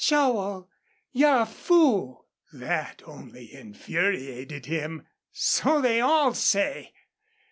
"Joel, you're a fool!" That only infuriated him. "So they all say.